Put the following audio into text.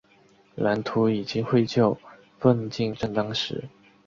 蓝图已经绘就，奋进正当时。